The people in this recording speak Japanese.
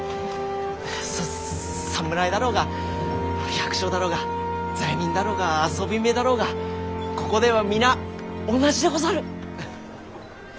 ささ侍だろうが百姓だろうが罪人だろうが遊び女だろうがここでは皆同じでござる。